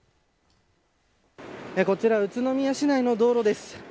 こちら宇都宮市内の道路です。